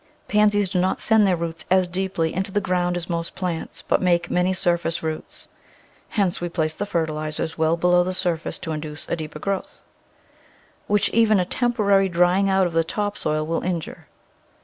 Pansies do not send their roots as deeply into the ground as most plants, but make many surface roots (hence we place the fertilisers well below the surface to induce a deeper growth), which even a temporary drying out of the top soil will injure.